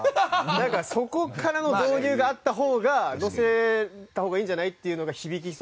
なんかそこからの導入があった方が載せた方がいいんじゃない？っていうのが響きそうかなって。